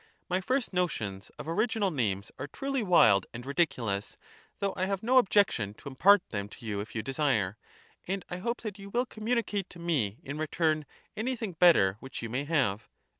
My first notions of original names are truly wild and ridiculous, though I have no objection to impart them to you if you desire, and I hope that you will communicate to me in return anything better which you may have.